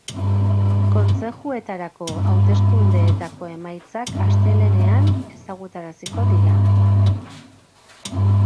Kontzejuetarako hauteskundeetako emaitzak astelehenean ezagutaraziko dira.